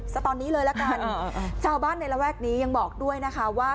ตอนนี้เลยละกันชาวบ้านในระแวกนี้ยังบอกด้วยนะคะว่า